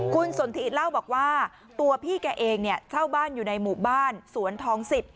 คุณสนทิเล่าบอกว่าตัวพี่แกเองเนี่ยเช่าบ้านอยู่ในหมู่บ้านสวนทอง๑๐